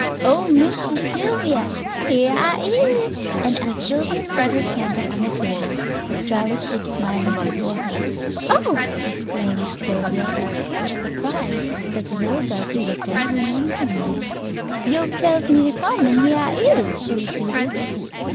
"Oh, Missy Sylvia, here I is," and as Sylvia set her candle on the table, Estralla stood smiling before her. "Oh!" exclaimed Sylvia with such surprise that the little darky looked at her wonderingly. "Yo' tells me to come, an' here I is," she repeated.